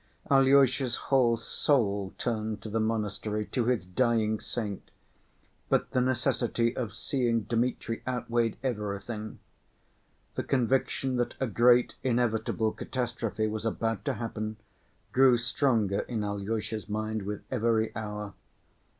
Alyosha's whole soul turned to the monastery, to his dying saint, but the necessity of seeing Dmitri outweighed everything. The conviction that a great inevitable catastrophe was about to happen grew stronger in Alyosha's mind with every hour.